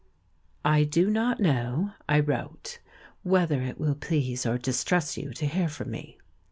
"I do not know," I wrote, "whether it will please or distress you to hear from me.